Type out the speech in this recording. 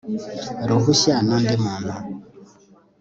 ruhushya n undi muntu